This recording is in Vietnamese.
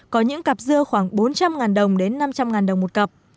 có những cặp dưa khoảng bốn trăm linh đồng đến năm trăm linh đồng một cặp